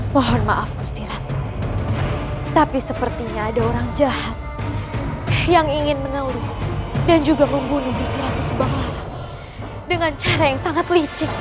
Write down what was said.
mohon maaf gusti ratu tapi sepertinya ada orang jahat yang ingin meneluruh dan juga membunuh gusti ratu subanglarang dengan cara yang sangat licik